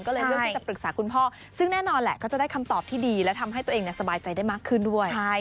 ก็เลยเลือกที่จะปรึกษาคุณพ่อซึ่งแน่นอนแหละก็จะได้คำตอบที่ดีและทำให้ตัวเองสบายใจได้มากขึ้นด้วย